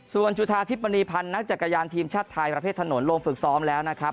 ส่วนจุธาทิพย์มณีพันธ์นักจักรยานทีมชาติไทยประเภทถนนลงฝึกซ้อมแล้วนะครับ